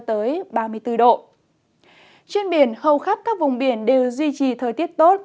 trên biển hầu khắp các vùng biển đều duy trì thời tiết tốt